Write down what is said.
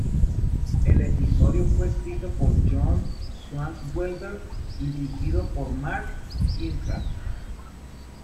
El episodio fue escrito por John Swartzwelder y dirigido por Mark Kirkland.